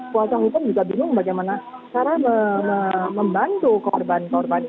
kewala sang hukum juga bingung bagaimana cara membantu korban korban ini